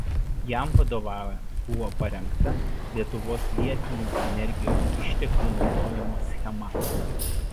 Jam vadovaujant buvo parengta Lietuvos vietinių energijos išteklių naudojimo schema.